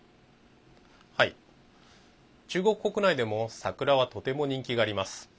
中国国内でも桜はとても人気があります。